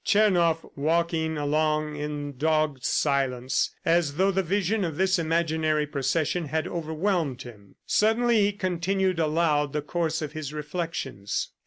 Tchernoff walking along in dogged silence as though the vision of this imaginary procession had overwhelmed him. Suddenly he continued aloud the course of his reflections.